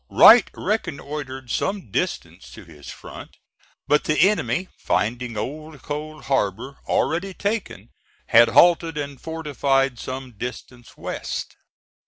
Wright reconnoitred some distance to his front: but the enemy finding Old Cold Harbor already taken had halted and fortified some distance west.